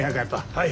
はい。